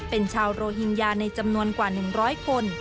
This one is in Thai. เป็นชาวโรฮิงญาในจำนวนกว่า๑๐๐คน